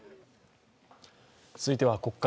続いては国会。